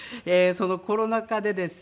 コロナ禍でですね